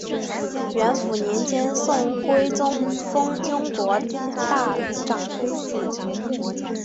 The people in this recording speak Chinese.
元符年间宋徽宗封雍国大长公主。